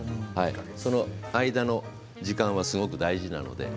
その間の時間はすごく大事なので。